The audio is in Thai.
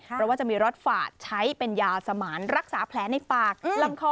เพราะว่าจะมีรถฝาดใช้เป็นยาสมานรักษาแผลในปากลำคอ